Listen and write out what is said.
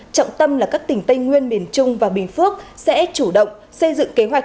trọng tâm là các tỉnh tây nguyên miền trung và bình phước sẽ chủ động xây dựng kế hoạch